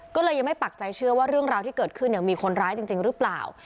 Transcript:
ก็เลยยังไม่ปักใจเชื่อว่าเรื่องราวที่เกิดขึ้นมีคนร้ายจริงหรือเปล่า